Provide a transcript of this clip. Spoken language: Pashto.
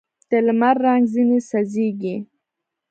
د لمر رنګ ځیني څڅېږي